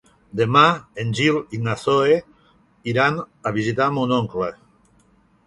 Demà en Gil i na Zoè iran a visitar mon oncle.